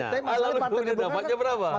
tapi makanya partai di bukang kan